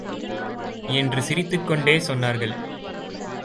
என்று சிரித்துக் கொண்டே சொன்னார்கள்.